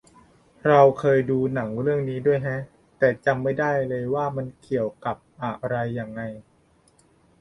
เราเคยดูหนังเรื่องนี้ด้วยแฮะ แต่จำไม่ได้เลยว่ามันเกี่ยวกับอะไรยังไง